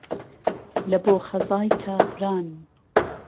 له بۆ خهزای کافران